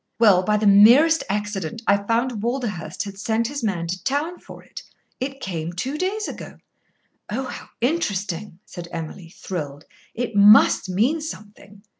Well, by the merest accident I found Walderhurst had sent his man to town for it. It came two days ago." "Oh, how interesting!" said Emily, thrilled. "It must mean something."